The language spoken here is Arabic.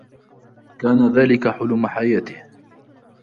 كان ذلك حلم حياته.